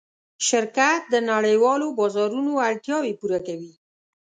شرکت د نړۍوالو بازارونو اړتیاوې پوره کوي.